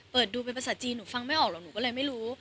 เปิดดูเป็นภาษาจีนหนูฟังไม่ออกหรอกหนูก็เลยไม่รู้